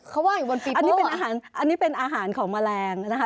เขาว่างอยู่บนปีโป้เหรอคะอันนี้เป็นอาหารของแมลงนะคะ